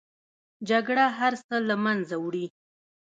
جګړه هر څه له منځه وړي